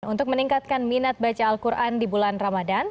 untuk meningkatkan minat baca al quran di bulan ramadan